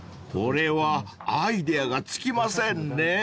［これはアイデアが尽きませんね］